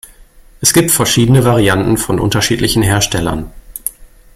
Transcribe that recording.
Es gibt verschiedene Varianten von unterschiedlichen Herstellern.